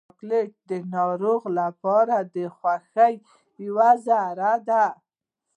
چاکلېټ د ناروغ لپاره د خوښۍ یوه ذره ده.